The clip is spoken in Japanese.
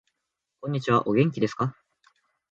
こんにちは。お元気ですか。